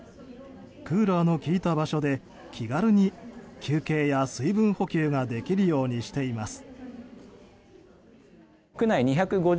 クーラーの効いた場所で気軽に休憩や水分補給ができるようにしています。